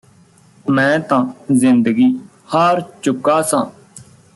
ਮੈਂ ਤਾਂ ਜ਼ਿੰਦਗੀ ਹਾਰ ਚੁੱਕਾ ਸਾਂ